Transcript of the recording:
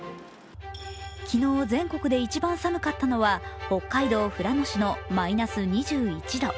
昨日、全国で一番寒かったのは北海道富良野市のマイナス２１度。